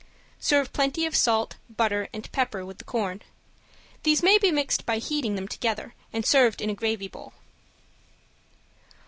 Serve plenty of salt, butter and pepper with the corn. These may be mixed by heating them together, and serve in a gravy bowl.